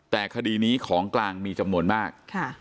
แต่คดีนี้ของกลางมีจำนวนมาก